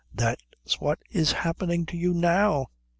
"That's what is happening to you now."